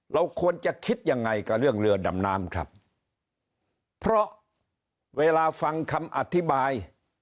เราควรจะคิดยังไงกับเรื่องเรือดำน้ำครับเพราะเวลาฟังคำอธิบาย